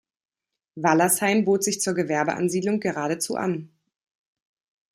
Wallersheim bot sich zur Gewerbeansiedlung geradezu an.